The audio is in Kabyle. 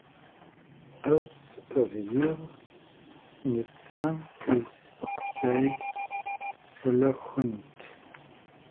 Ass d yiḍ d netta isteqsay fell-akent.